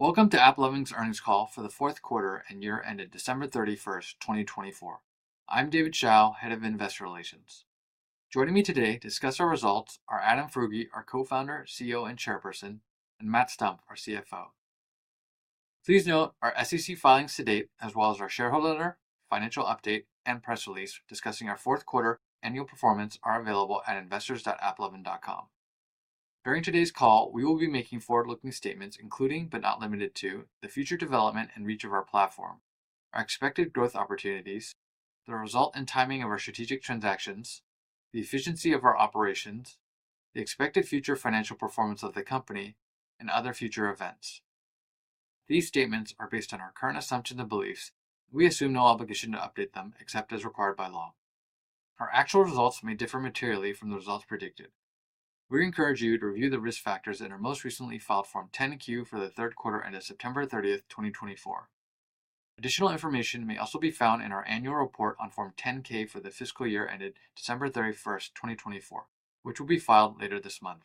Welcome to AppLovin's earnings call for the fourth quarter, and year-ended December 31st, 2024. I'm David Hsiao, Head of Investor Relations. Joining me today to discuss our results are Adam Foroughi, our Co-Founder, CEO, and Chairperson, and Matt Stumpf, our CFO. Please note our SEC filings to date, as well as our shareholder letter, financial update, and press release discussing our fourth quarter annual performance are available at investors.applovin.com. During today's call, we will be making forward-looking statements including, but not limited to, the future development and reach of our platform, our expected growth opportunities, the result and timing of our strategic transactions, the efficiency of our operations, the expected future financial performance of the company, and other future events. These statements are based on our current assumptions and beliefs, and we assume no obligation to update them except as required by law. Our actual results may differ materially from the results predicted. We encourage you to review the risk factors in our most recently filed Form 10-Q for the third quarter ended September 30th, 2024. Additional information may also be found in our annual report on Form 10-K for the fiscal year ended December 31st, 2024, which will be filed later this month.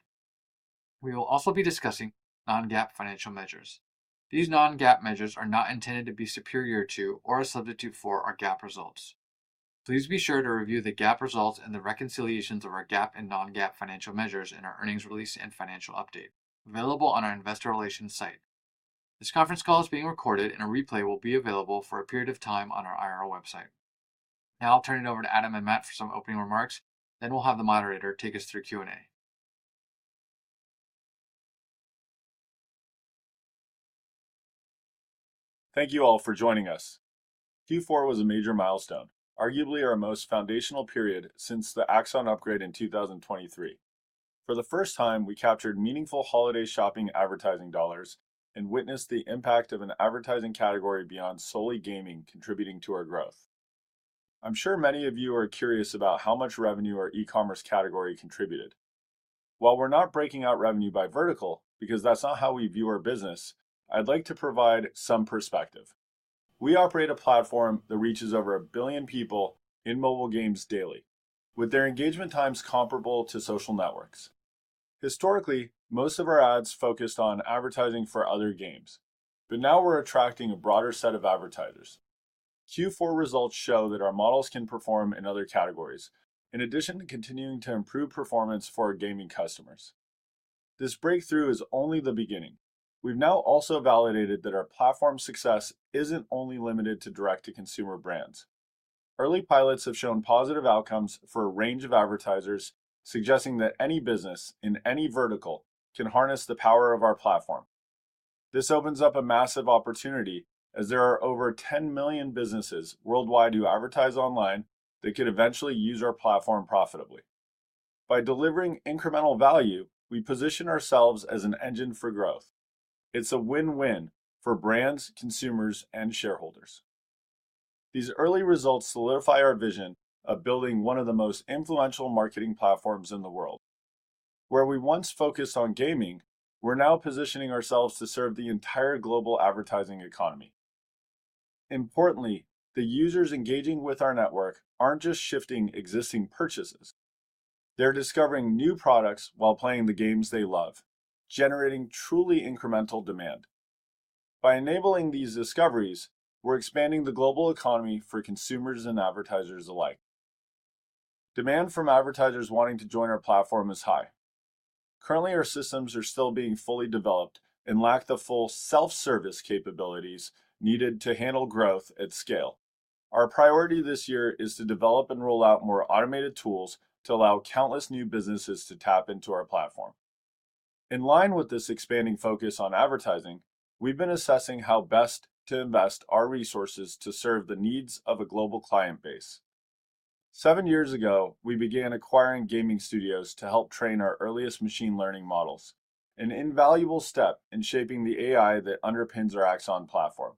We will also be discussing non-GAAP financial measures. These non-GAAP measures are not intended to be superior to or a substitute for our GAAP results. Please be sure to review the GAAP results and the reconciliations of our GAAP and non-GAAP financial measures in our earnings release and financial update available on our Investor Relations site. This conference call is being recorded, and a replay will be available for a period of time on our IR website. Now I'll turn it over to Adam and Matt for some opening remarks, then we'll have the moderator take us through Q&A. Thank you all for joining us. Q4 was a major milestone, arguably our most foundational period since the Axon upgrade in 2023. For the first time, we captured meaningful holiday shopping advertising dollars and witnessed the impact of an advertising category beyond solely gaming contributing to our growth. I'm sure many of you are curious about how much revenue our e-commerce category contributed. While we're not breaking out revenue by vertical, because that's not how we view our business, I'd like to provide some perspective. We operate a platform that reaches over a billion people in mobile games daily, with their engagement times comparable to social networks. Historically, most of our ads focused on advertising for other games, but now we're attracting a broader set of advertisers. Q4 results show that our models can perform in other categories, in addition to continuing to improve performance for our gaming customers. This breakthrough is only the beginning. We've now also validated that our platform success isn't only limited to direct-to-consumer brands. Early pilots have shown positive outcomes for a range of advertisers, suggesting that any business in any vertical can harness the power of our platform. This opens up a massive opportunity, as there are over 10 million businesses worldwide who advertise online that could eventually use our platform profitably. By delivering incremental value, we position ourselves as an engine for growth. It's a win-win for brands, consumers, and shareholders. These early results solidify our vision of building one of the most influential marketing platforms in the world. Where we once focused on gaming, we're now positioning ourselves to serve the entire global advertising economy. Importantly, the users engaging with our network aren't just shifting existing purchases. They're discovering new products while playing the games they love, generating truly incremental demand. By enabling these discoveries, we're expanding the global economy for consumers and advertisers alike. Demand from advertisers wanting to join our platform is high. Currently, our systems are still being fully developed and lack the full self-service capabilities needed to handle growth at scale. Our priority this year is to develop and roll out more automated tools to allow countless new businesses to tap into our platform. In line with this expanding focus on advertising, we've been assessing how best to invest our resources to serve the needs of a global client base. Seven years ago, we began acquiring gaming studios to help train our earliest machine learning models, an invaluable step in shaping the AI that underpins our Axon platform.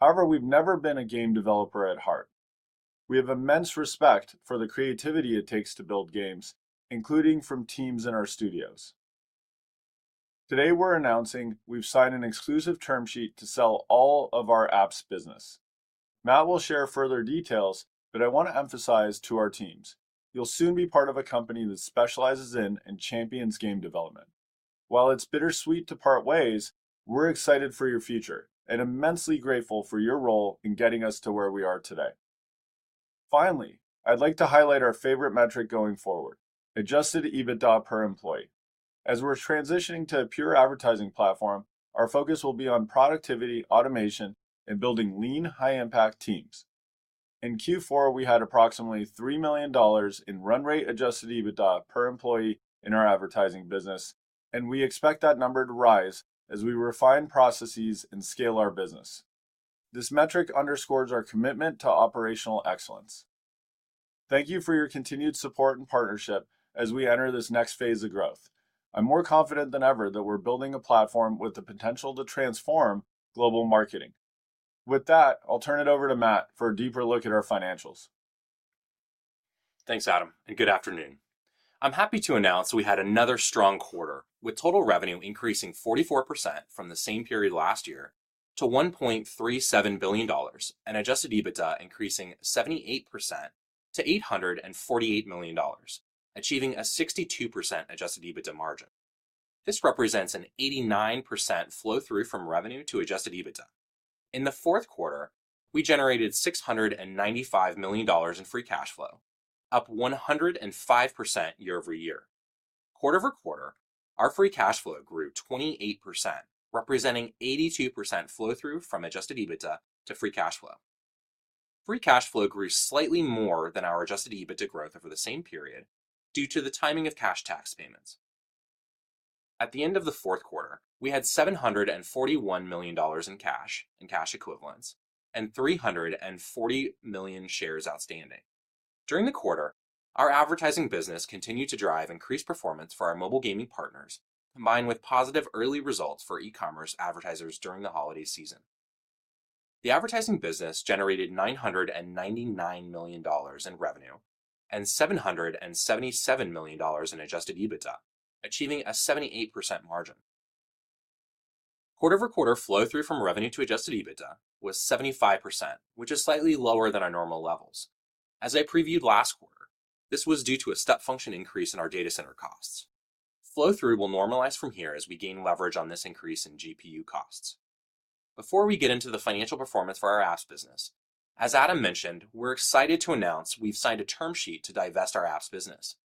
However, we've never been a game developer at heart. We have immense respect for the creativity it takes to build games, including from teams in our studios. Today, we're announcing we've signed an exclusive term sheet to sell all of our app's business. Matt will share further details, but I want to emphasize to our teams, you'll soon be part of a company that specializes in and champions game development. While it's bittersweet to part ways, we're excited for your future and immensely grateful for your role in getting us to where we are today. Finally, I'd like to highlight our favorite metric going forward, Adjusted EBITDA per employee. As we're transitioning to a pure advertising platform, our focus will be on productivity, automation, and building lean, high-impact teams. In Q4, we had approximately $3 million in run rate Adjusted EBITDA per employee in our advertising business, and we expect that number to rise as we refine processes and scale our business. This metric underscores our commitment to operational excellence. Thank you for your continued support and partnership as we enter this next phase of growth. I'm more confident than ever that we're building a platform with the potential to transform global marketing. With that, I'll turn it over to Matt for a deeper look at our financials. Thanks, Adam, and good afternoon. I'm happy to announce we had another strong quarter, with total revenue increasing 44% from the same period last year to $1.37 billion and Adjusted EBITDA increasing 78% to $848 million, achieving a 62% Adjusted EBITDA margin. This represents an 89% flow-through from revenue to Adjusted EBITDA. In the fourth quarter, we generated $695 million in Free Cash Flow, up 105% year over year. Quarter over quarter, our Free Cash Flow grew 28%, representing 82% flow-through from Adjusted EBITDA to Free Cash Flow. Free Cash Flow grew slightly more than our Adjusted EBITDA growth over the same period due to the timing of cash tax payments. At the end of the fourth quarter, we had $741 million in cash and cash equivalents and 340 million shares outstanding. During the quarter, our advertising business continued to drive increased performance for our mobile gaming partners, combined with positive early results for e-commerce advertisers during the holiday season. The advertising business generated $999 million in revenue and $777 million in Adjusted EBITDA, achieving a 78% margin. Quarter over quarter, flow-through from revenue to Adjusted EBITDA was 75%, which is slightly lower than our normal levels. As I previewed last quarter, this was due to a step function increase in our data center costs. Flow-through will normalize from here as we gain leverage on this increase in GPU costs. Before we get into the financial performance for our apps business, as Adam mentioned, we're excited to announce we've signed a term sheet to divest our apps business.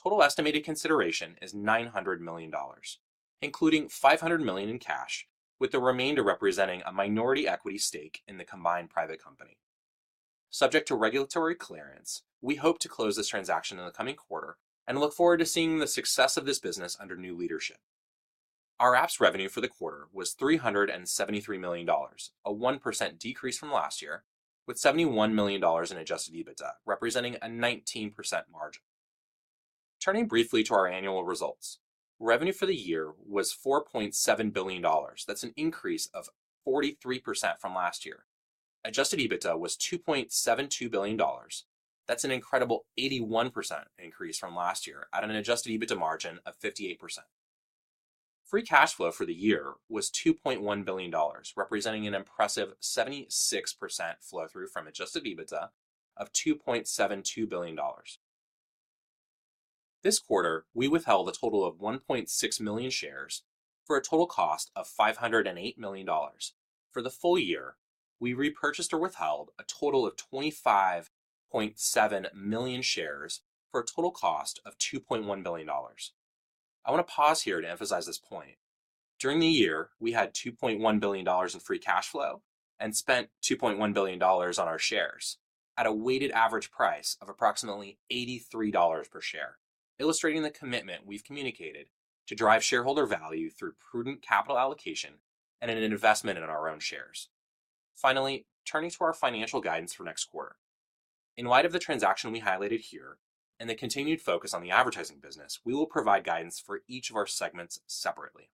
Total estimated consideration is $900 million, including $500 million in cash, with the remainder representing a minority equity stake in the combined private company. Subject to regulatory clearance, we hope to close this transaction in the coming quarter and look forward to seeing the success of this business under new leadership. Our Apps revenue for the quarter was $373 million, a 1% decrease from last year, with $71 million in Adjusted EBITDA representing a 19% margin. Turning briefly to our annual results, revenue for the year was $4.7 billion. That's an increase of 43% from last year. Adjusted EBITDA was $2.72 billion. That's an incredible 81% increase from last year at an Adjusted EBITDA margin of 58%. Free cash flow for the year was $2.1 billion, representing an impressive 76% flow-through from Adjusted EBITDA of $2.72 billion. This quarter, we withheld a total of 1.6 million shares for a total cost of $508 million. For the full year, we repurchased or withheld a total of 25.7 million shares for a total cost of $2.1 billion. I want to pause here to emphasize this point. During the year, we had $2.1 billion in free cash flow and spent $2.1 billion on our shares at a weighted average price of approximately $83 per share, illustrating the commitment we've communicated to drive shareholder value through prudent capital allocation and an investment in our own shares. Finally, turning to our financial guidance for next quarter. In light of the transaction we highlighted here and the continued focus on the advertising business, we will provide guidance for each of our segments separately.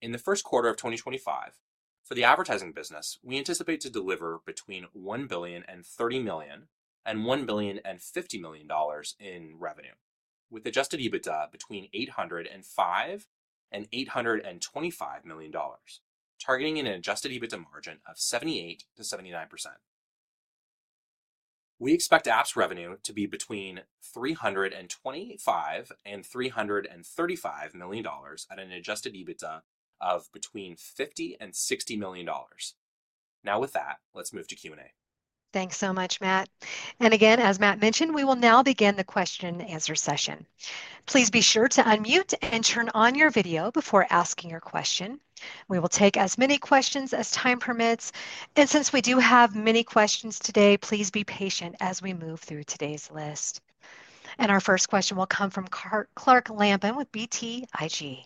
In the first quarter of 2025, for the advertising business, we anticipate to deliver between $1.03 billion and $1.05 billion in revenue, with Adjusted EBITDA between $805 million and $825 million, targeting an Adjusted EBITDA margin of 78% to 79%. We expect Apps revenue to be between $325 million and $335 million at an Adjusted EBITDA of between $50 million and $60 million. Now, with that, let's move to Q&A. Thanks so much, Matt. And again, as Matt mentioned, we will now begin the question and answer session. Please be sure to unmute and turn on your video before asking your question. We will take as many questions as time permits. And since we do have many questions today, please be patient as we move through today's list. And our first question will come from Clark Lampin with BTIG.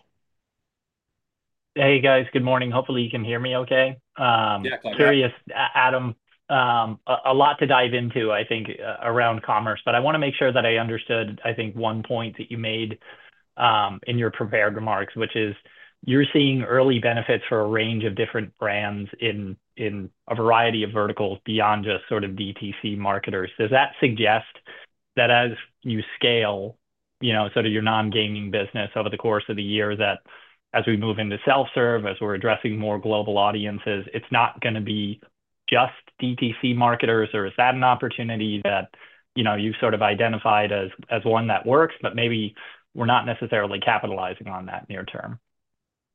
Hey, guys. Good morning. Hopefully, you can hear me okay. Yeah, clear. Curious, Adam, a lot to dive into, I think, around commerce, but I want to make sure that I understood, I think, one point that you made in your prepared remarks, which is you're seeing early benefits for a range of different brands in a variety of verticals beyond just sort of DTC marketers. Does that suggest that as you scale, you know, sort of your non-gaming business over the course of the year, that as we move into self-serve, as we're addressing more global audiences, it's not going to be just DTC marketers? Or is that an opportunity that, you know, you've sort of identified as one that works, but maybe we're not necessarily capitalizing on that near term?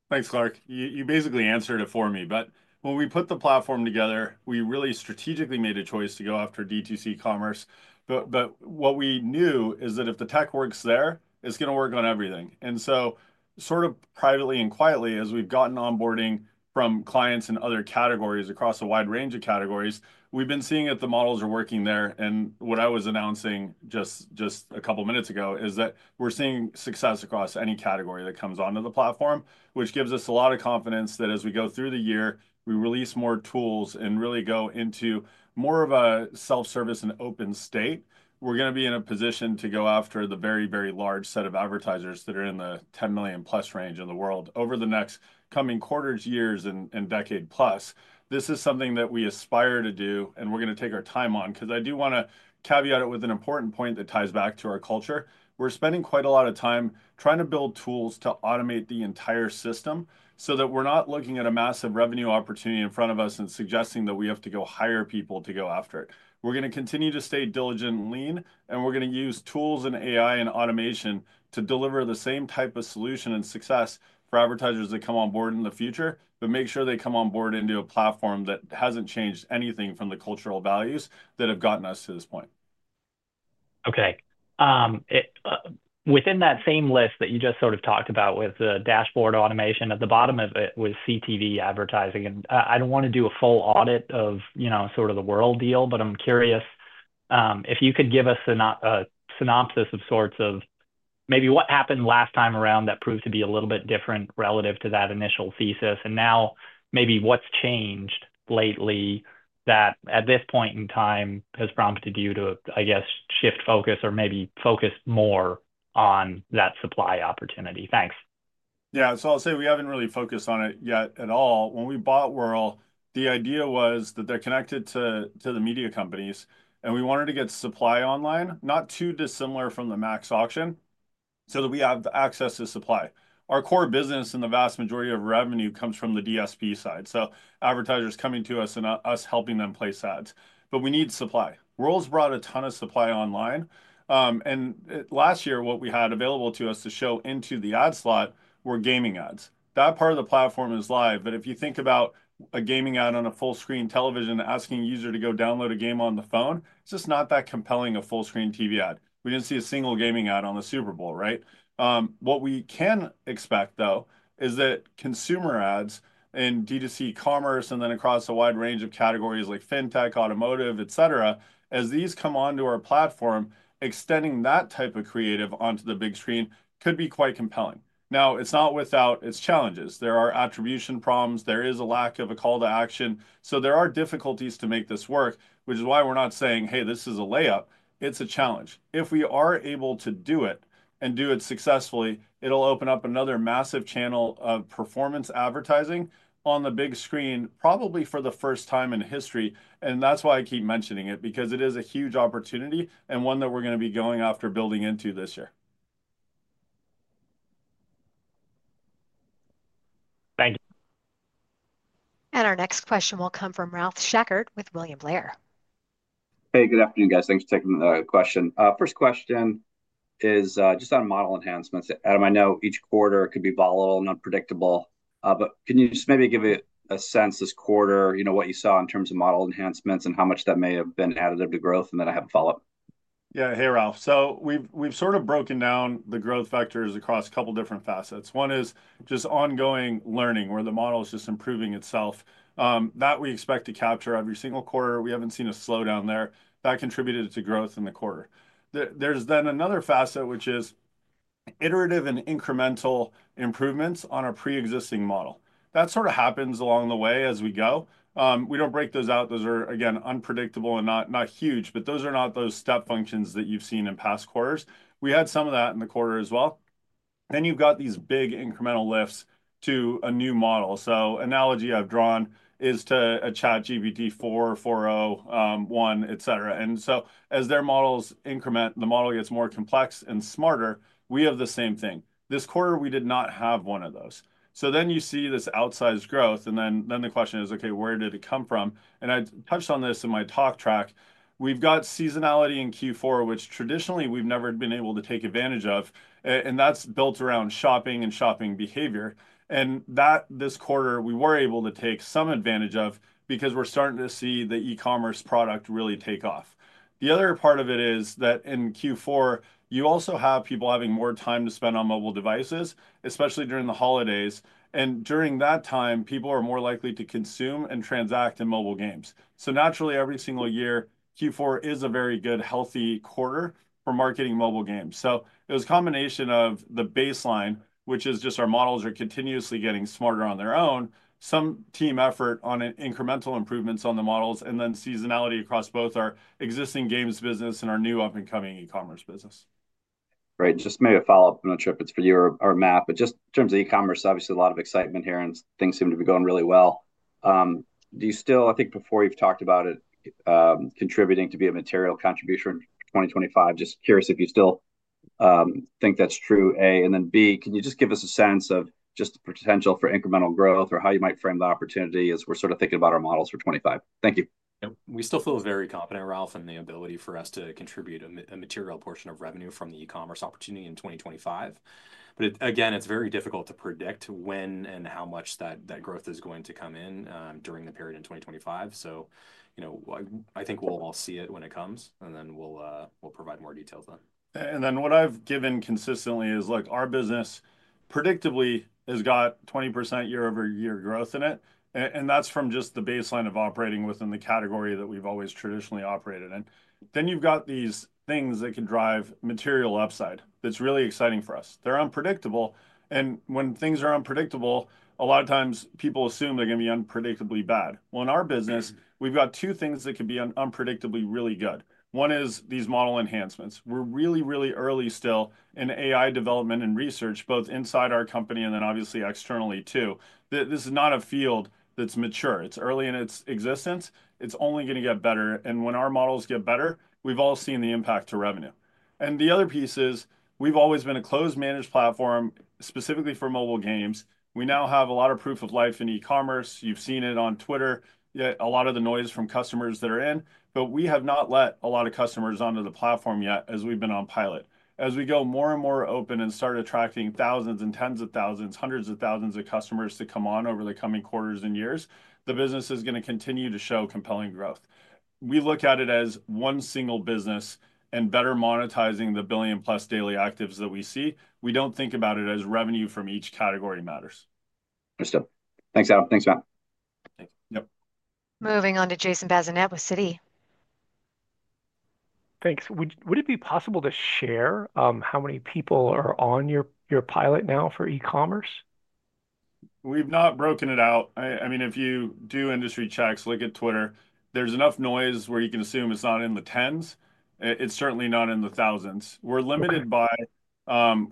Thanks, Clark. You basically answered it for me. But when we put the platform together, we really strategically made a choice to go after DTC commerce. But what we knew is that if the tech works there, it's going to work on everything. And so sort of privately and quietly, as we've gotten onboarding from clients and other categories across a wide range of categories, we've been seeing that the models are working there. And what I was announcing just a couple of minutes ago is that we're seeing success across any category that comes onto the platform, which gives us a lot of confidence that as we go through the year, we release more tools and really go into more of a self-service and open state, we're going to be in a position to go after the very, very large set of advertisers that are in the 10 million plus range in the world over the next coming quarters, years, and decade plus. This is something that we aspire to do, and we're going to take our time on because I do want to caveat it with an important point that ties back to our culture. We're spending quite a lot of time trying to build tools to automate the entire system so that we're not looking at a massive revenue opportunity in front of us and suggesting that we have to go hire people to go after it. We're going to continue to stay diligent and lean, and we're going to use tools and AI and automation to deliver the same type of solution and success for advertisers that come on board in the future, but make sure they come on board into a platform that hasn't changed anything from the cultural values that have gotten us to this point. Okay. Within that same list that you just sort of talked about with the dashboard automation, at the bottom of it was CTV advertising. And I don't want to do a full audit of, you know, sort of the Wurl deal, but I'm curious if you could give us a synopsis of sorts of maybe what happened last time around that proved to be a little bit different relative to that initial thesis. And now maybe what's changed lately that at this point in time has prompted you to, I guess, shift focus or maybe focus more on that supply opportunity. Thanks. Yeah. So I'll say we haven't really focused on it yet at all. When we bought Wurl, the idea was that they're connected to the media companies, and we wanted to get supply online, not too dissimilar from the MAX auction, so that we have access to supply. Our core business and the vast majority of revenue comes from the DSP side. So advertisers coming to us and us helping them place ads. But we need supply. Wurl's brought a ton of supply online. And last year, what we had available to us to show into the ad slot were gaming ads. That part of the platform is live. But if you think about a gaming ad on a full-screen television asking a user to go download a game on the phone, it's just not that compelling a full-screen TV ad. We didn't see a single gaming ad on the Super Bowl, right? What we can expect, though, is that consumer ads in DTC commerce and then across a wide range of categories like fintech, automotive, et cetera, as these come onto our platform, extending that type of creative onto the big screen could be quite compelling. Now, it's not without its challenges. There are attribution problems. There is a lack of a call to action. So there are difficulties to make this work, which is why we're not saying, "Hey, this is a layup." It's a challenge. If we are able to do it and do it successfully, it'll open up another massive channel of performance advertising on the big screen, probably for the first time in history. That's why I keep mentioning it, because it is a huge opportunity and one that we're going to be going after building into this year. Thank you. Our next question will come from Ralph Schackart with William Blair. Hey, good afternoon, guys. Thanks for taking the question. First question is just on model enhancements. Adam, I know each quarter could be volatile and unpredictable, but can you just maybe give a sense this quarter, you know, what you saw in terms of model enhancements and how much that may have been additive to growth? And then I have a follow-up. Yeah. Hey, Ralph. So we've sort of broken down the growth factors across a couple of different facets. One is just ongoing learning where the model is just improving itself. That we expect to capture every single quarter. We haven't seen a slowdown there. That contributed to growth in the quarter. There's then another facet, which is iterative and incremental improvements on our pre-existing model. That sort of happens along the way as we go. We don't break those out. Those are, again, unpredictable and not huge, but those are not those step functions that you've seen in past quarters. We had some of that in the quarter as well. Then you've got these big incremental lifts to a new model. So analogy I've drawn is to a ChatGPT 4, 4.0, 1, et cetera. And so as their models increment, the model gets more complex and smarter. We have the same thing. This quarter, we did not have one of those. So then you see this outsized growth. And then the question is, okay, where did it come from? And I touched on this in my talk track. We've got seasonality in Q4, which traditionally we've never been able to take advantage of. And that's built around shopping and shopping behavior. And that this quarter, we were able to take some advantage of because we're starting to see the e-commerce product really take off. The other part of it is that in Q4, you also have people having more time to spend on mobile devices, especially during the holidays. And during that time, people are more likely to consume and transact in mobile games. So naturally, every single year, Q4 is a very good, healthy quarter for marketing mobile games. So it was a combination of the baseline, which is just our models are continuously getting smarter on their own, some team effort on incremental improvements on the models, and then seasonality across both our existing games business and our new up-and-coming e-commerce business. Great. Just maybe a follow-up. I'm not sure if it's for you or Matt, but just in terms of e-commerce, obviously a lot of excitement here and things seem to be going really well. Do you still, I think before you've talked about it, contributing to be a material contribution in 2025? Just curious if you still think that's true, A, and then B, can you just give us a sense of just the potential for incremental growth or how you might frame the opportunity as we're sort of thinking about our models for 2025? Thank you. We still feel very confident, Ralph, in the ability for us to contribute a material portion of revenue from the e-commerce opportunity in 2025. But again, it's very difficult to predict when and how much that growth is going to come in during the period in 2025. So, you know, I think we'll all see it when it comes, and then we'll provide more details then. And then what I've given consistently is, look, our business predictably has got 20% year-over-year growth in it. And that's from just the baseline of operating within the category that we've always traditionally operated in. Then you've got these things that can drive material upside. That's really exciting for us. They're unpredictable. And when things are unpredictable, a lot of times people assume they're going to be unpredictably bad. Well, in our business, we've got two things that can be unpredictably really good. One is these model enhancements. We're really, really early still in AI development and research, both inside our company and then obviously externally too. This is not a field that's mature. It's early in its existence. It's only going to get better. And when our models get better, we've all seen the impact to revenue. And the other piece is we've always been a closely managed platform specifically for mobile games. We now have a lot of proof of life in e-commerce. You've seen it on Twitter, a lot of the noise from customers that are in. But we have not let a lot of customers onto the platform yet as we've been on pilot. As we go more and more open and start attracting thousands and tens of thousands, hundreds of thousands of customers to come on over the coming quarters and years, the business is going to continue to show compelling growth. We look at it as one single business and better monetizing the billion-plus daily actives that we see. We don't think about it as revenue from each category matters. Understood. Thanks, Adam. Thanks, Matt. Thanks. Yep. Moving on to Jason Bazinet with Citi. Thanks. Would it be possible to share how many people are on your pilot now for e-commerce? We've not broken it out. I mean, if you do industry checks, look at Twitter, there's enough noise where you can assume it's not in the tens. It's certainly not in the thousands. We're limited by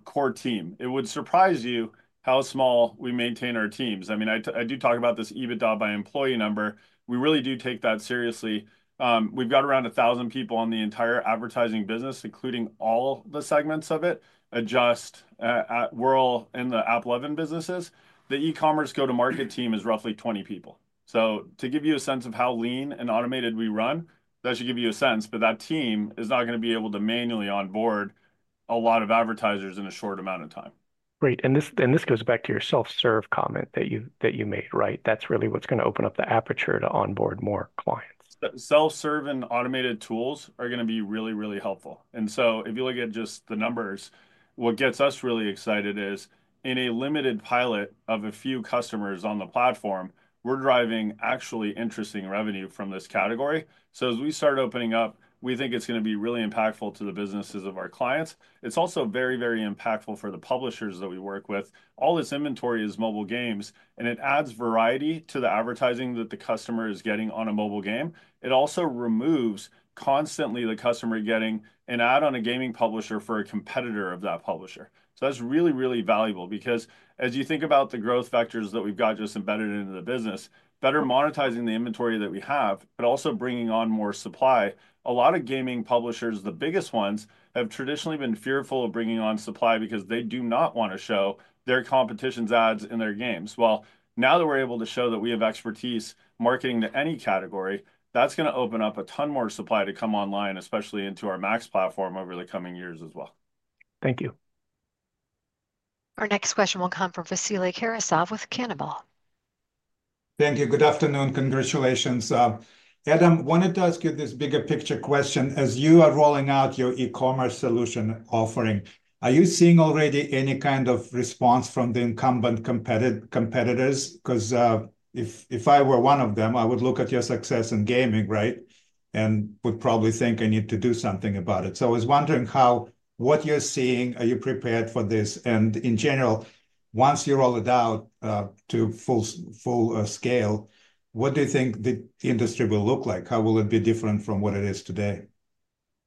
core team. It would surprise you how small we maintain our teams. I mean, I do talk about this EBITDA by employee number. We really do take that seriously. We've got around 1,000 people on the entire advertising business, including all the segments of it, just at Wurl and the AppLovin businesses. The e-commerce go-to-market team is roughly 20 people. So to give you a sense of how lean and automated we run, that should give you a sense. But that team is not going to be able to manually onboard a lot of advertisers in a short amount of time. Great. And this goes back to your self-serve comment that you made, right? That's really what's going to open up the aperture to onboard more clients. Self-serve and automated tools are going to be really, really helpful, and so if you look at just the numbers, what gets us really excited is in a limited pilot of a few customers on the platform, we're driving actually interesting revenue from this category, so as we start opening up, we think it's going to be really impactful to the businesses of our clients. It's also very, very impactful for the publishers that we work with. All this inventory is mobile games, and it adds variety to the advertising that the customer is getting on a mobile game. It also removes constantly the customer getting an ad on a gaming publisher for a competitor of that publisher. So that's really, really valuable because as you think about the growth vectors that we've got just embedded into the business, better monetizing the inventory that we have, but also bringing on more supply. A lot of gaming publishers, the biggest ones, have traditionally been fearful of bringing on supply because they do not want to show their competition's ads in their games. Well, now that we're able to show that we have expertise marketing to any category, that's going to open up a ton more supply to come online, especially into our MAX platform over the coming years as well. Thank you. Our next question will come from Vasily Karasyov with Cannonball. Thank you. Good afternoon. Congratulations. Adam, wanted to ask you this bigger picture question. As you are rolling out your e-commerce solution offering, are you seeing already any kind of response from the incumbent competitors? Because if I were one of them, I would look at your success in gaming, right? And would probably think I need to do something about it. So I was wondering how what you're seeing, are you prepared for this? And in general, once you roll it out to full scale, what do you think the industry will look like? How will it be different from what it is today?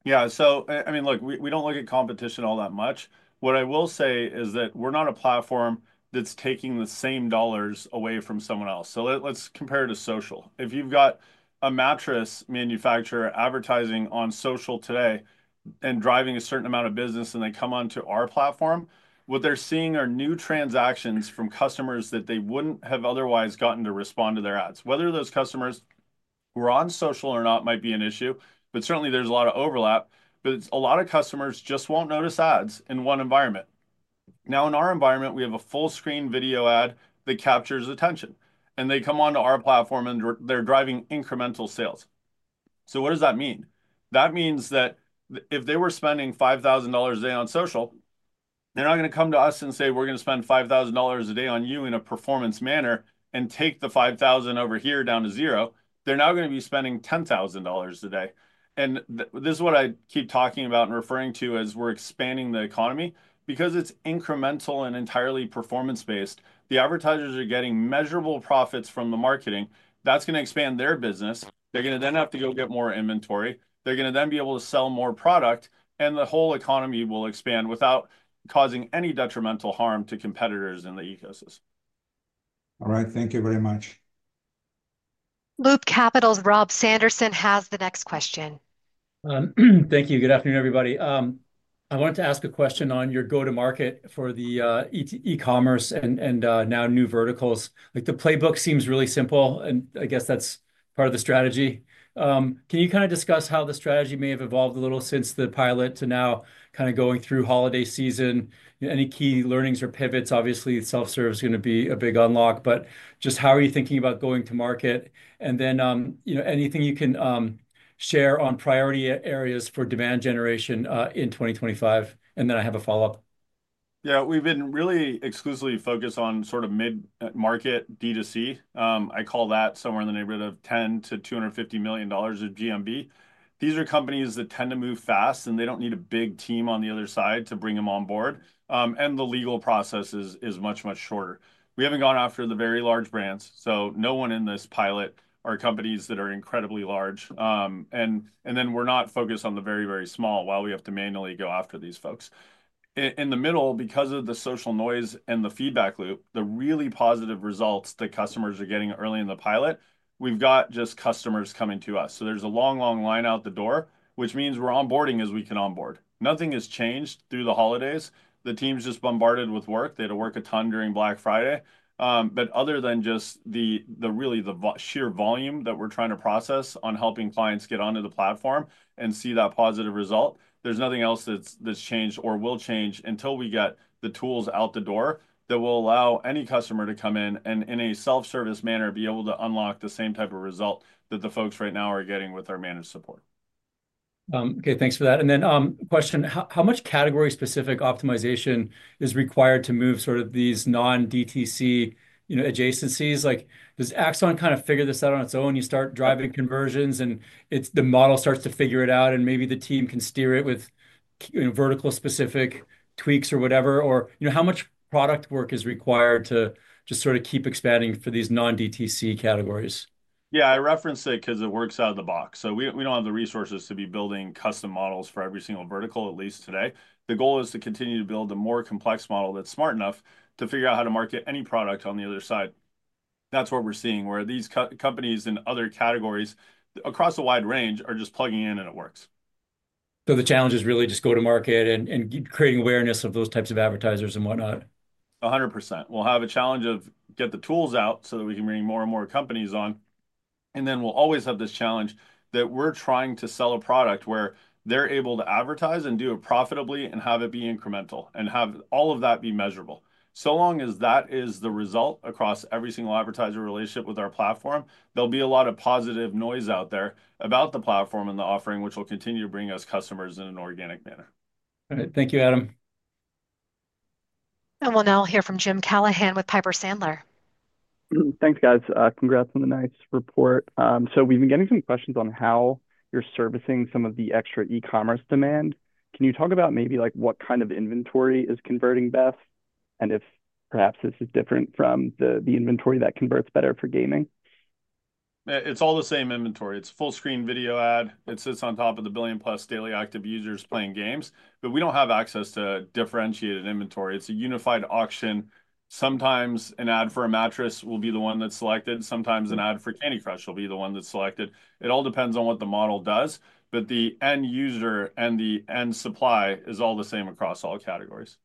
Yeah. So I mean, look, we don't look at competition all that much. What I will say is that we're not a platform that's taking the same dollars away from someone else. So let's compare it to social. If you've got a mattress manufacturer advertising on social today and driving a certain amount of business, and they come onto our platform, what they're seeing are new transactions from customers that they wouldn't have otherwise gotten to respond to their ads. Whether those customers were on social or not might be an issue, but certainly there's a lot of overlap. But a lot of customers just won't notice ads in one environment. Now, in our environment, we have a full-screen video ad that captures attention. And they come onto our platform, and they're driving incremental sales. So what does that mean? That means that if they were spending $5,000 a day on social, they're not going to come to us and say, "We're going to spend $5,000 a day on you in a performance manner and take the $5,000 over here down to zero." They're now going to be spending $10,000 a day, and this is what I keep talking about and referring to as we're expanding the economy. Because it's incremental and entirely performance-based, the advertisers are getting measurable profits from the marketing. That's going to expand their business. They're going to then have to go get more inventory. They're going to then be able to sell more product, and the whole economy will expand without causing any detrimental harm to competitors in the ecosystem. All right. Thank you very much. Loop Capital's Rob Sanderson has the next question. Thank you. Good afternoon, everybody. I wanted to ask a question on your go-to-market for the e-commerce and now new verticals. The playbook seems really simple, and I guess that's part of the strategy. Can you kind of discuss how the strategy may have evolved a little since the pilot to now kind of going through holiday season? Any key learnings or pivots? Obviously, self-serve is going to be a big unlock, but just how are you thinking about going to market? And then anything you can share on priority areas for demand generation in 2025? And then I have a follow-up. Yeah. We've been really exclusively focused on sort of mid-market D2C. I call that somewhere in the neighborhood of $10-$250 million of GMV. These are companies that tend to move fast, and they don't need a big team on the other side to bring them on board. And the legal process is much, much shorter. We haven't gone after the very large brands. So no one in this pilot are companies that are incredibly large. And then we're not focused on the very, very small while we have to manually go after these folks. In the middle, because of the social noise and the feedback loop, the really positive results that customers are getting early in the pilot, we've got just customers coming to us. So there's a long, long line out the door, which means we're onboarding as we can onboard. Nothing has changed through the holidays. The team's just bombarded with work. They had to work a ton during Black Friday. But other than just really the sheer volume that we're trying to process on helping clients get onto the platform and see that positive result, there's nothing else that's changed or will change until we get the tools out the door that will allow any customer to come in and in a self-service manner be able to unlock the same type of result that the folks right now are getting with our managed support. Okay. Thanks for that, and then question: how much category-specific optimization is required to move sort of these non-DTC adjacencies? Does Axon kind of figure this out on its own? You start driving conversions, and the model starts to figure it out, and maybe the team can steer it with vertical-specific tweaks or whatever? Or how much product work is required to just sort of keep expanding for these non-DTC categories? Yeah. I referenced it because it works out of the box. So we don't have the resources to be building custom models for every single vertical, at least today. The goal is to continue to build a more complex model that's smart enough to figure out how to market any product on the other side. That's what we're seeing, where these companies in other categories across a wide range are just plugging in, and it works. So the challenge is really just go-to-market and creating awareness of those types of advertisers and whatnot? 100%. We'll have a challenge of getting the tools out so that we can bring more and more companies on. And then we'll always have this challenge that we're trying to sell a product where they're able to advertise and do it profitably and have it be incremental and have all of that be measurable. So long as that is the result across every single advertiser relationship with our platform, there'll be a lot of positive noise out there about the platform and the offering, which will continue to bring us customers in an organic manner. All right. Thank you, Adam. We'll now hear from Jim Callahan with Piper Sandler. Thanks, guys. Congrats on the nice report. So we've been getting some questions on how you're servicing some of the extra e-commerce demand. Can you talk about maybe what kind of inventory is converting best? And if perhaps this is different from the inventory that converts better for gaming? It's all the same inventory. It's a full-screen video ad. It sits on top of the billion-plus daily active users playing games. But we don't have access to differentiated inventory. It's a unified auction. Sometimes an ad for a mattress will be the one that's selected. Sometimes an ad for Candy Crush will be the one that's selected. It all depends on what the model does. But the end user and the end supply is all the same across all categories.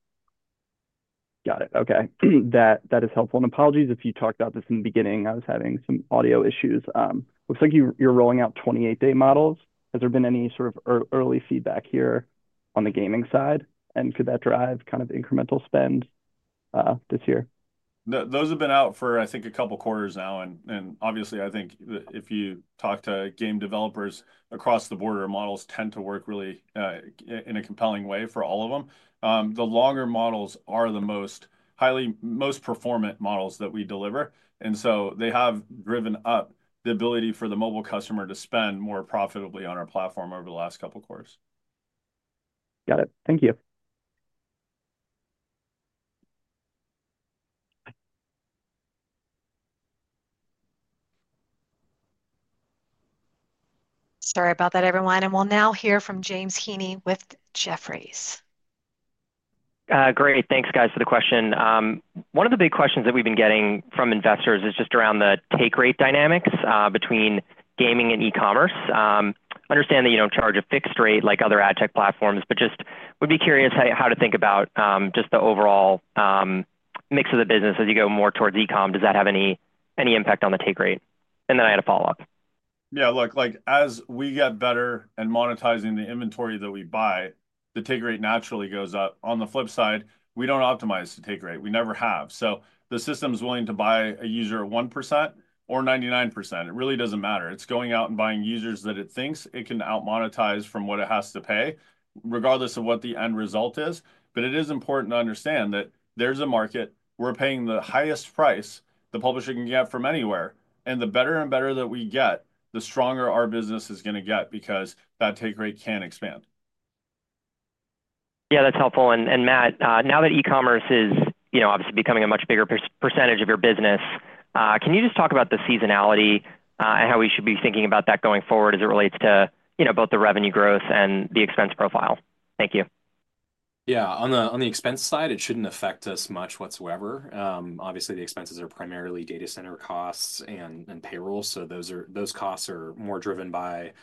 Got it. Okay. That is helpful, and apologies if you talked about this in the beginning. I was having some audio issues. Looks like you're rolling out 28-day models. Has there been any sort of early feedback here on the gaming side?, and could that drive kind of incremental spend this year? Those have been out for, I think, a couple of quarters now. And obviously, I think if you talk to game developers across the board, our models tend to work really in a compelling way for all of them. The longer models are the most highly, most performant models that we deliver. And so they have driven up the ability for the mobile customer to spend more profitably on our platform over the last couple of quarters. Got it. Thank you. Sorry about that, everyone, and we'll now hear from James Heaney with Jefferies. Great. Thanks, guys, for the question. One of the big questions that we've been getting from investors is just around the take rate dynamics between gaming and e-commerce. Understand that you don't charge a fixed rate like other ad tech platforms, but just would be curious how to think about just the overall mix of the business as you go more towards e-com. Does that have any impact on the take rate? And then I had a follow-up. Yeah. Look, as we get better and monetizing the inventory that we buy, the take rate naturally goes up. On the flip side, we don't optimize the take rate. We never have. So the system's willing to buy a user of 1% or 99%. It really doesn't matter. It's going out and buying users that it thinks it can outmonetize from what it has to pay, regardless of what the end result is. But it is important to understand that there's a market. We're paying the highest price the publisher can get from anywhere. And the better and better that we get, the stronger our business is going to get because that take rate can expand. Yeah. That's helpful. And Matt, now that e-commerce is obviously becoming a much bigger percentage of your business, can you just talk about the seasonality and how we should be thinking about that going forward as it relates to both the revenue growth and the expense profile? Thank you. Yeah. On the expense side, it shouldn't affect us much whatsoever. Obviously, the expenses are primarily data center costs and payroll. So those costs are more driven by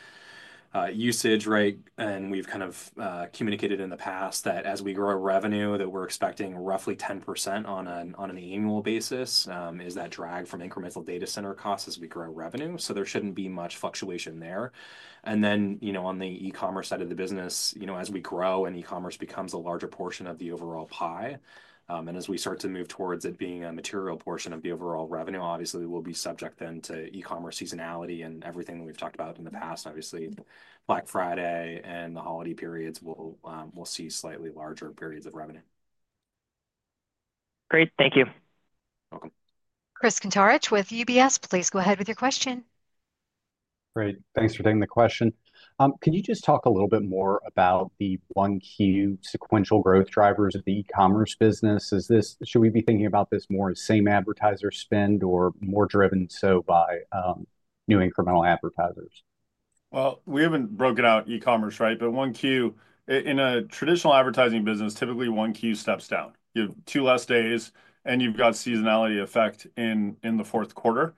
usage, right? And we've kind of communicated in the past that as we grow revenue, that we're expecting roughly 10% on an annual basis, is that drag from incremental data center costs as we grow revenue. So there shouldn't be much fluctuation there. And then on the e-commerce side of the business, as we grow and e-commerce becomes a larger portion of the overall pie, and as we start to move towards it being a material portion of the overall revenue, obviously, we'll be subject then to e-commerce seasonality and everything that we've talked about in the past. Obviously, Black Friday and the holiday periods, we'll see slightly larger periods of revenue. Great. Thank you. You're welcome. Chris Kuntarich with UBS. Please go ahead with your question. Great. Thanks for taking the question. Can you just talk a little bit more about the 1Q sequential growth drivers of the e-commerce business? Should we be thinking about this more as same advertiser spend or more driven so by new incremental advertisers? We haven't broken out e-commerce, right? But 1Q in a traditional advertising business, typically 1Q steps down. You have two less days, and you've got seasonality effect in the fourth quarter.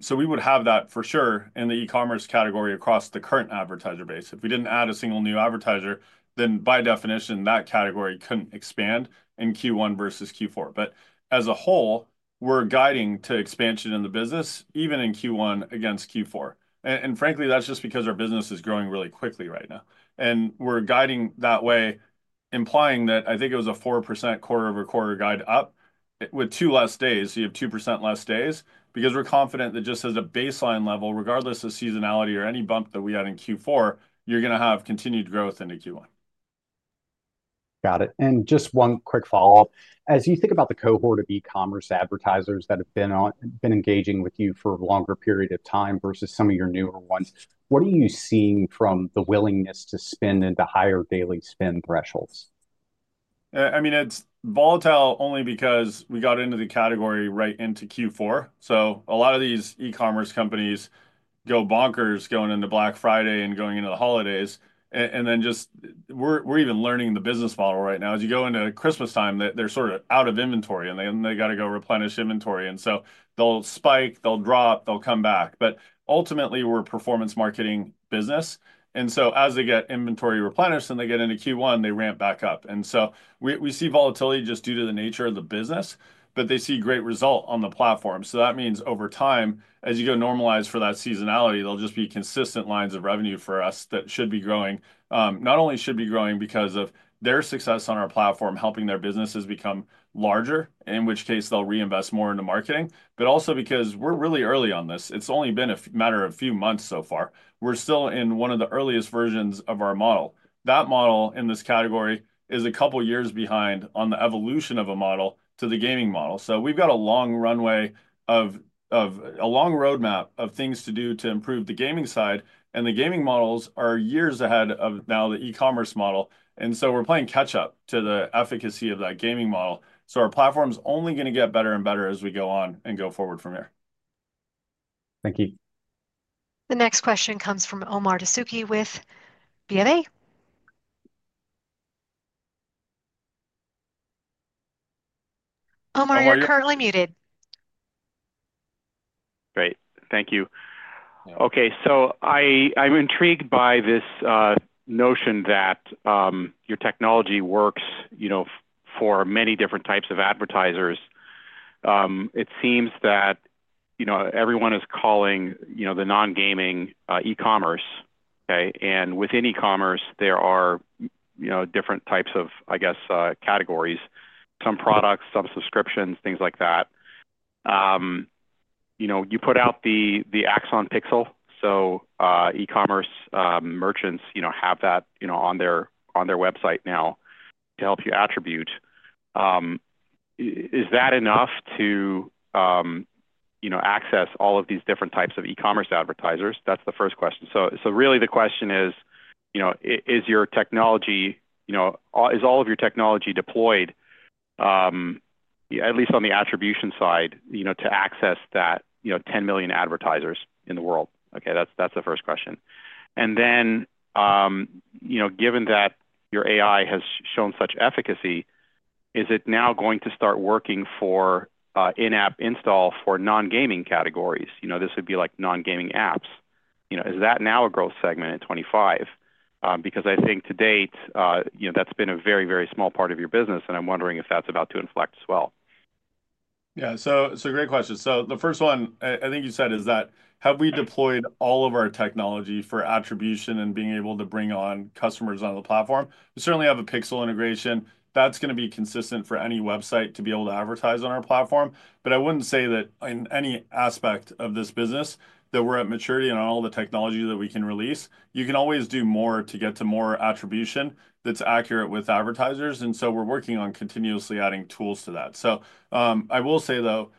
So we would have that for sure in the e-commerce category across the current advertiser base. If we didn't add a single new advertiser, then by definition, that category couldn't expand in Q1 versus Q4. But as a whole, we're guiding to expansion in the business, even in Q1 against Q4. And frankly, that's just because our business is growing really quickly right now. And we're guiding that way, implying that I think it was a 4% quarter-over-quarter guide up with two less days. You have 2% less days because we're confident that just as a baseline level, regardless of seasonality or any bump that we had in Q4, you're going to have continued growth into Q1. Got it. And just one quick follow-up. As you think about the cohort of e-commerce advertisers that have been engaging with you for a longer period of time versus some of your newer ones, what are you seeing from the willingness to spend and to higher daily spend thresholds? I mean, it's volatile only because we got into the category right into Q4. So a lot of these e-commerce companies go bonkers going into Black Friday and going into the holidays. And then just we're even learning the business model right now. As you go into Christmas time, they're sort of out of inventory, and they got to go replenish inventory. And so they'll spike, they'll drop, they'll come back. But ultimately, we're a performance marketing business. And so as they get inventory replenished and they get into Q1, they ramp back up. And so we see volatility just due to the nature of the business, but they see great result on the platform. So that means over time, as you go normalize for that seasonality, there'll just be consistent lines of revenue for us that should be growing. Not only should be growing because of their success on our platform, helping their businesses become larger, in which case they'll reinvest more into marketing, but also because we're really early on this. It's only been a matter of a few months so far. We're still in one of the earliest versions of our model. That model in this category is a couple of years behind on the evolution of a model to the gaming model. So we've got a long runway of a long roadmap of things to do to improve the gaming side. The gaming models are years ahead of now the e-commerce model. We're playing catch-up to the efficacy of that gaming model. Our platform's only going to get better and better as we go on and go forward from here. Thank you. The next question comes from Omar Dessouky with BofA. Omar, you're currently muted. Great. Thank you. Okay. So I'm intrigued by this notion that your technology works for many different types of advertisers. It seems that everyone is calling the non-gaming e-commerce. Okay. And within e-commerce, there are different types of, I guess, categories. Some products, some subscriptions, things like that. You put out the Axon Pixel. So e-commerce merchants have that on their website now to help you attribute. Is that enough to access all of these different types of e-commerce advertisers? That's the first question. So really, the question is, is all of your technology deployed, at least on the attribution side, to access that 10 million advertisers in the world? Okay. That's the first question. And then given that your AI has shown such efficacy, is it now going to start working for in-app install for non-gaming categories? This would be like non-gaming apps. Is that now a growth segment in 2025? Because I think to date, that's been a very, very small part of your business, and I'm wondering if that's about to inflect as well. Yeah. So great question. So the first one, I think you said, is that have we deployed all of our technology for attribution and being able to bring on customers on the platform? We certainly have a Pixel integration. That's going to be consistent for any website to be able to advertise on our platform. But I wouldn't say that in any aspect of this business that we're at maturity and on all the technology that we can release. You can always do more to get to more attribution that's accurate with advertisers. And so we're working on continuously adding tools to that. So I will say, though,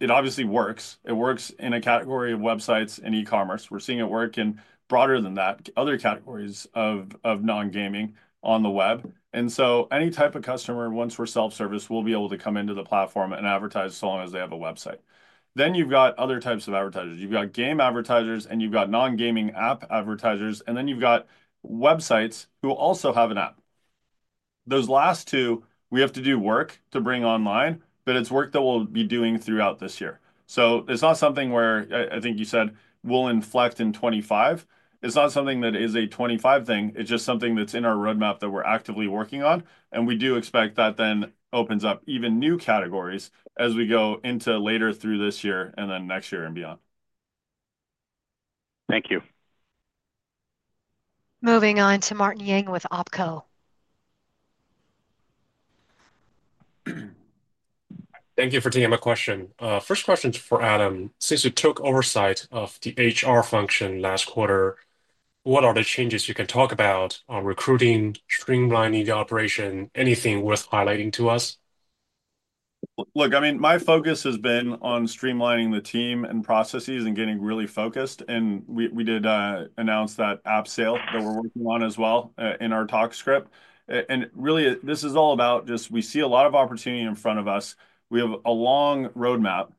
it obviously works. It works in a category of websites and e-commerce. We're seeing it work in broader than that, other categories of non-gaming on the web. And so any type of customer, once we're self-service, will be able to come into the platform and advertise so long as they have a website. Then you've got other types of advertisers. You've got game advertisers, and you've got non-gaming app advertisers. And then you've got websites who also have an app. Those last two, we have to do work to bring online, but it's work that we'll be doing throughout this year. So it's not something where I think you said we'll inflect in 2025. It's not something that is a 2025 thing. It's just something that's in our roadmap that we're actively working on. And we do expect that then opens up even new categories as we go into later through this year and then next year and beyond. Thank you. Moving on to Martin Yang with Opco. Thank you for taking my question. First question for Adam. Since we took oversight of the HR function last quarter, what are the changes you can talk about on recruiting, streamlining the operation, anything worth highlighting to us? Look, I mean, my focus has been on streamlining the team and processes and getting really focused. And we did announce that app sale that we're working on as well in our talk script. And really, this is all about just we see a lot of opportunity in front of us. We have a long roadmap,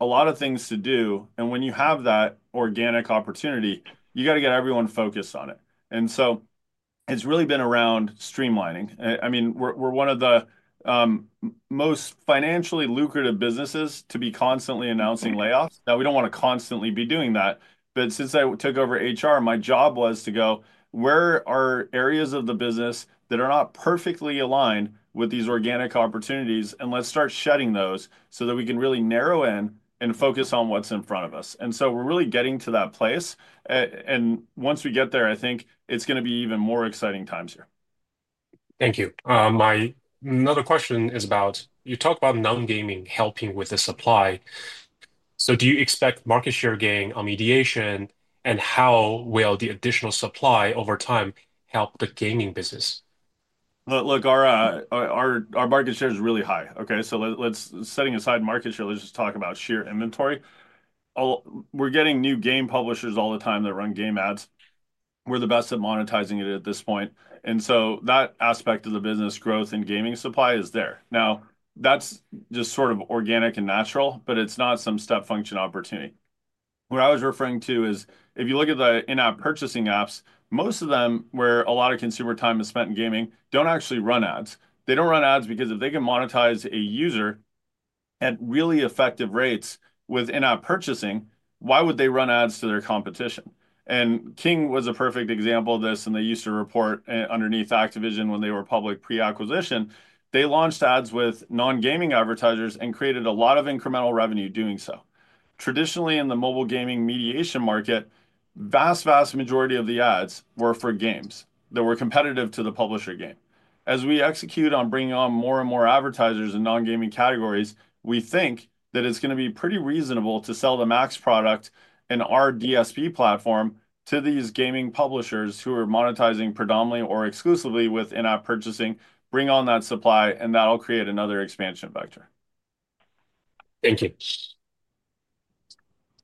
a lot of things to do. And when you have that organic opportunity, you got to get everyone focused on it. And so it's really been around streamlining. I mean, we're one of the most financially lucrative businesses to be constantly announcing layoffs. Now, we don't want to constantly be doing that. Since I took over HR, my job was to go, where are areas of the business that are not perfectly aligned with these organic opportunities, and let's start shedding those so that we can really narrow in and focus on what's in front of us. We're really getting to that place. Once we get there, I think it's going to be even more exciting times here. Thank you. My other question is about you talk about non-gaming helping with the supply. So do you expect market share gain on mediation, and how will the additional supply over time help the gaming business? Look, our market share is really high. Okay. So setting aside market share, let's just talk about sheer inventory. We're getting new game publishers all the time that run game ads. We're the best at monetizing it at this point. And so that aspect of the business growth in gaming supply is there. Now, that's just sort of organic and natural, but it's not some step function opportunity. What I was referring to is if you look at the in-app purchasing apps, most of them, where a lot of consumer time is spent in gaming, don't actually run ads. They don't run ads because if they can monetize a user at really effective rates with in-app purchasing, why would they run ads to their competition, and King was a perfect example of this, and they used to report underneath Activision when they were public pre-acquisition. They launched ads with non-gaming advertisers and created a lot of incremental revenue doing so. Traditionally, in the mobile gaming mediation market, vast, vast majority of the ads were for games that were competitive to the publisher game. As we execute on bringing on more and more advertisers in non-gaming categories, we think that it's going to be pretty reasonable to sell the MAX product in our DSP platform to these gaming publishers who are monetizing predominantly or exclusively with in-app purchasing, bring on that supply, and that'll create another expansion vector. Thank you.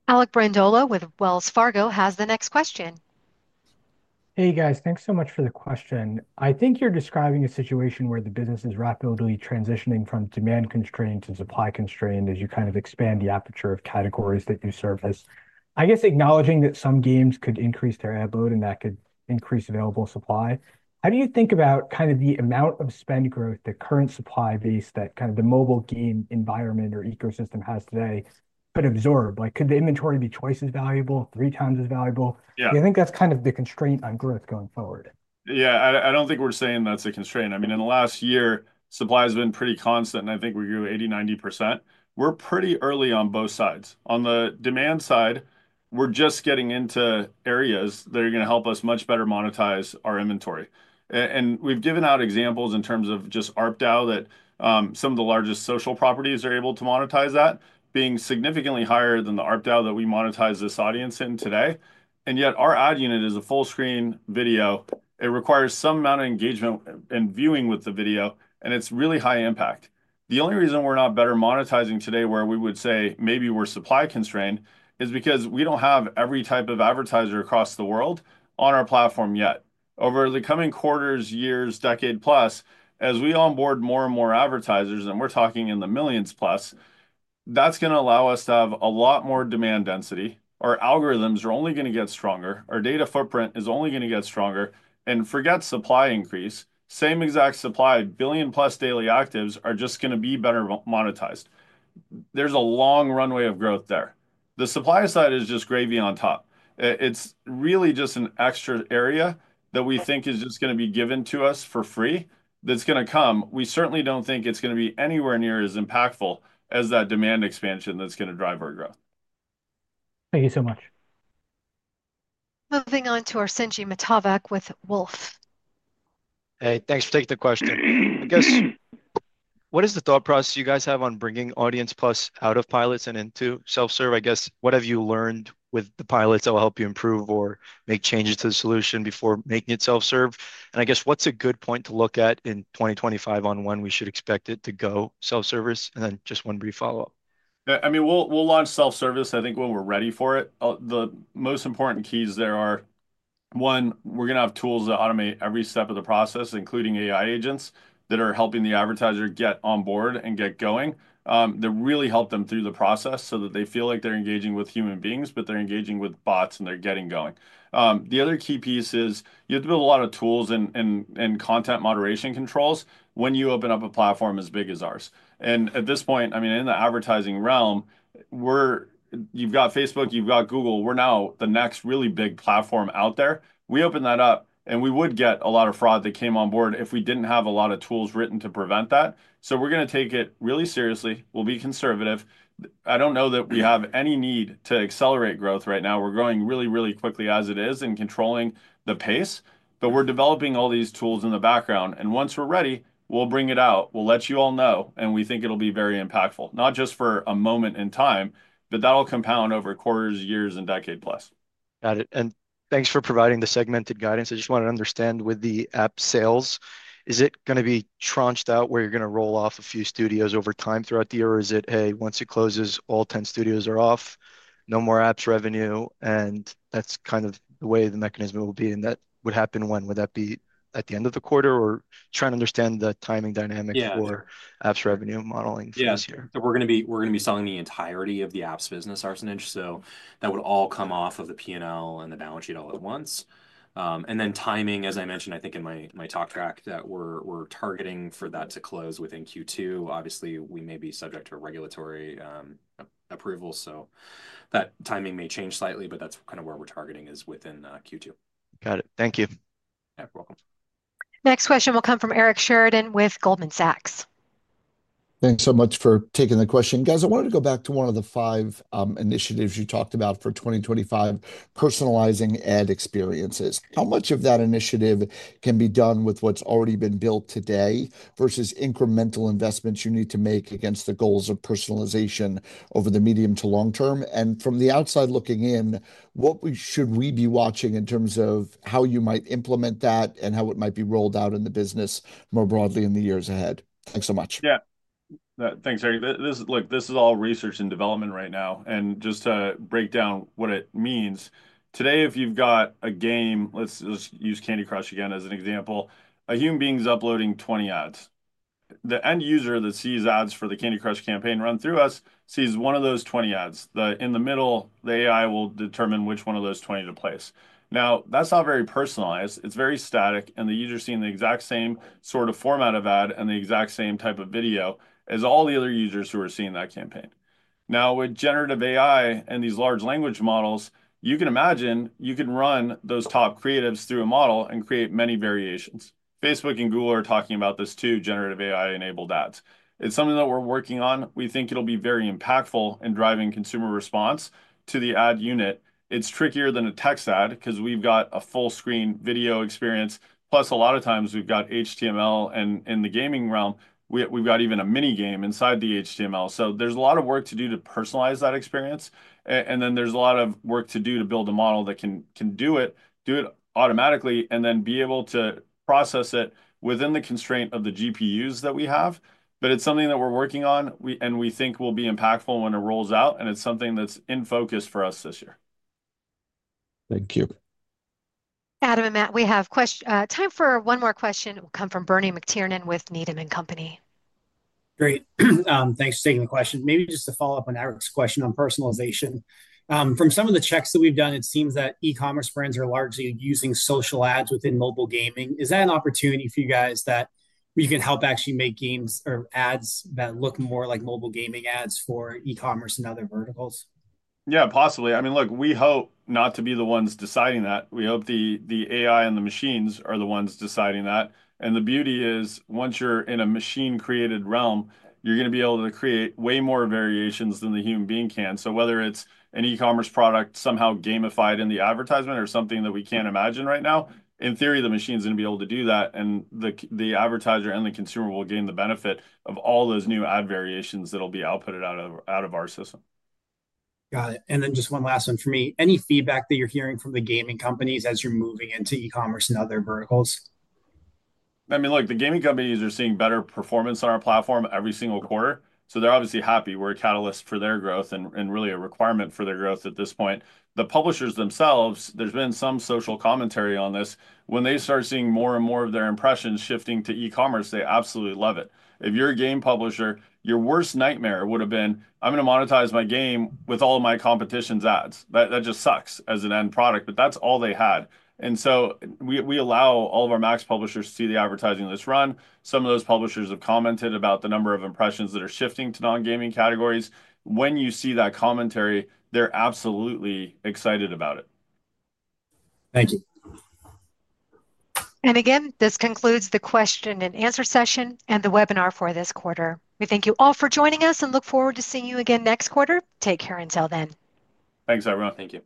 Alec Brondolo with Wells Fargo has the next question. Hey, guys. Thanks so much for the question. I think you're describing a situation where the business is rapidly transitioning from demand constrained to supply constrained as you kind of expand the aperture of categories that you service. I guess acknowledging that some games could increase their ad load, and that could increase available supply. How do you think about kind of the amount of spend growth that current supply base that kind of the mobile game environment or ecosystem has today could absorb? Could the inventory be twice as valuable, three times as valuable? Do you think that's kind of the constraint on growth going forward? Yeah. I don't think we're saying that's a constraint. I mean, in the last year, supply has been pretty constant, and I think we grew 80%-90%. We're pretty early on both sides. On the demand side, we're just getting into areas that are going to help us much better monetize our inventory. And we've given out examples in terms of just ARPDAU that some of the largest social properties are able to monetize that, being significantly higher than the ARPDAU that we monetize this audience in today. And yet our ad unit is a full-screen video. It requires some amount of engagement and viewing with the video, and it's really high impact. The only reason we're not better monetizing today, where we would say maybe we're supply constrained, is because we don't have every type of advertiser across the world on our platform yet. Over the coming quarters, years, decade plus, as we onboard more and more advertisers, and we're talking in the millions plus, that's going to allow us to have a lot more demand density. Our algorithms are only going to get stronger. Our data footprint is only going to get stronger and forget supply increase. Same exact supply, billion-plus daily actives are just going to be better monetized. There's a long runway of growth there. The supply side is just gravy on top. It's really just an extra area that we think is just going to be given to us for free that's going to come. We certainly don't think it's going to be anywhere near as impactful as that demand expansion that's going to drive our growth. Thank you so much. Moving on to our Arsenije Matovic with Wolfe. Hey, thanks for taking the question. I guess, what is the thought process you guys have on bringing Audience+ out of pilots and into self-serve? I guess, what have you learned with the pilots that will help you improve or make changes to the solution before making it self-serve? And I guess, what's a good point to look at in 2025 on when we should expect it to go self-service? And then just one brief follow-up. I mean, we'll launch self-service, I think, when we're ready for it. The most important keys there are, one, we're going to have tools that automate every step of the process, including AI agents that are helping the advertiser get on board and get going that really help them through the process so that they feel like they're engaging with human beings, but they're engaging with bots and they're getting going. The other key piece is you have to build a lot of tools and content moderation controls when you open up a platform as big as ours. And at this point, I mean, in the advertising realm, you've got Facebook, you've got Google. We're now the next really big platform out there. We open that up, and we would get a lot of fraud that came on board if we didn't have a lot of tools written to prevent that, so we're going to take it really seriously. We'll be conservative. I don't know that we have any need to accelerate growth right now. We're growing really, really quickly as it is and controlling the pace, but we're developing all these tools in the background, and once we're ready, we'll bring it out. We'll let you all know, and we think it'll be very impactful, not just for a moment in time, but that'll compound over quarters, years, and decade plus. Got it. And thanks for providing the segmented guidance. I just wanted to understand with the app sales, is it going to be tranched out where you're going to roll off a few studios over time throughout the year, or is it, hey, once it closes, all 10 studios are off, no more apps revenue? And that's kind of the way the mechanism will be. And that would happen when? Would that be at the end of the quarter, or trying to understand the timing dynamic for apps revenue modeling for this year? Yeah. So we're going to be selling the entirety of the apps business, Arsenije. So that would all come off of the P&L and the balance sheet all at once. And then timing, as I mentioned, I think in my talk track that we're targeting for that to close within Q2. Obviously, we may be subject to regulatory approval. So that timing may change slightly, but that's kind of where we're targeting is within Q2. Got it. Thank you. Yeah, you're welcome. Next question will come from Eric Sheridan with Goldman Sachs. Thanks so much for taking the question. Guys, I wanted to go back to one of the five initiatives you talked about for 2025, personalizing ad experiences. How much of that initiative can be done with what's already been built today versus incremental investments you need to make against the goals of personalization over the medium to long term? And from the outside looking in, what should we be watching in terms of how you might implement that and how it might be rolled out in the business more broadly in the years ahead? Thanks so much. Yeah. Thanks, Eric. Look, this is all research and development right now, and just to break down what it means, today, if you've got a game, let's use Candy Crush again as an example, a human being's uploading 20 ads. The end user that sees ads for the Candy Crush campaign run through us sees one of those 20 ads. In the middle, the AI will determine which one of those 20 to place. Now, that's not very personalized. It's very static, and the user's seeing the exact same sort of format of ad and the exact same type of video as all the other users who are seeing that campaign. Now, with generative AI and these large language models, you can imagine you can run those top creatives through a model and create many variations. Facebook and Google are talking about this too, generative AI-enabled ads. It's something that we're working on. We think it'll be very impactful in driving consumer response to the ad unit. It's trickier than a text ad because we've got a full-screen video experience. Plus, a lot of times we've got HTML, and in the gaming realm, we've got even a mini game inside the HTML. So there's a lot of work to do to personalize that experience, and then there's a lot of work to do to build a model that can do it, do it automatically, and then be able to process it within the constraint of the GPUs that we have, but it's something that we're working on, and we think will be impactful when it rolls out, and it's something that's in focus for us this year. Thank you. Adam and Matt, we have time for one more question. It will come from Bernie McTernan with Needham & Company. Great. Thanks for taking the question. Maybe just to follow up on Eric's question on personalization. From some of the checks that we've done, it seems that e-commerce brands are largely using social ads within mobile gaming. Is that an opportunity for you guys that you can help actually make games or ads that look more like mobile gaming ads for e-commerce and other verticals? Yeah, possibly. I mean, look, we hope not to be the ones deciding that. We hope the AI and the machines are the ones deciding that. And the beauty is once you're in a machine-created realm, you're going to be able to create way more variations than the human being can. So whether it's an e-commerce product somehow gamified in the advertisement or something that we can't imagine right now, in theory, the machine's going to be able to do that. And the advertiser and the consumer will gain the benefit of all those new ad variations that'll be outputted out of our system. Got it. And then just one last one for me. Any feedback that you're hearing from the gaming companies as you're moving into e-commerce and other verticals? I mean, look, the gaming companies are seeing better performance on our platform every single quarter. So they're obviously happy. We're a catalyst for their growth and really a requirement for their growth at this point. The publishers themselves, there's been some social commentary on this. When they start seeing more and more of their impressions shifting to e-commerce, they absolutely love it. If you're a game publisher, your worst nightmare would have been, "I'm going to monetize my game with all of my competition's ads." That just sucks as an end product, but that's all they had, and so we allow all of our MAX publishers to see the advertising list run. Some of those publishers have commented about the number of impressions that are shifting to non-gaming categories. When you see that commentary, they're absolutely excited about it. Thank you. Again, this concludes the question and answer session and the webinar for this quarter. We thank you all for joining us and look forward to seeing you again next quarter. Take care until then. Thanks, everyone. Thank you.